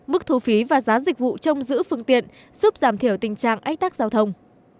mức thu phí và giá dịch vụ trông giữ phương tiện giúp giảm thiểu tình trạng ách tắc giao thông